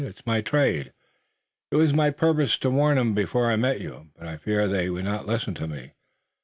"It's my trade. It was my purpose to warn 'em before I met you, but I feared they would not listen to me.